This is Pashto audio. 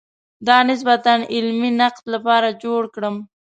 د نسبتاً علمي نقد لپاره جوړ کړم.